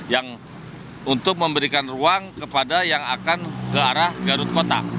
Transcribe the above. yang untuk memberikan ruang kepada yang akan ke arah garut kota